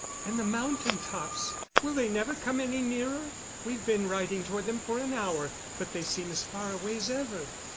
And the mountain tops! Will they never come any nearer? We've been riding toward them for an hour, but they seem as far away as ever.